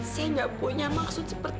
saya tidak punya maksud seperti itu